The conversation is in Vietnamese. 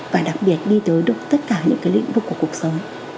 và đặc biệt đi tới tất cả những lĩnh vực của cuộc sống